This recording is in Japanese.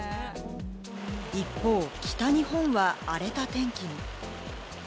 一方、北日本は荒れた天気に。